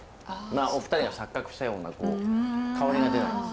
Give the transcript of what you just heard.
お二人が錯覚したような香りが出ないんです。